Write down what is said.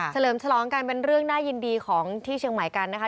เลิมฉลองกันเป็นเรื่องน่ายินดีของที่เชียงใหม่กันนะคะ